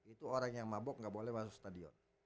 itu orang yang mabok nggak boleh masuk stadion